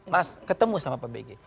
pas ketemu sama pak bg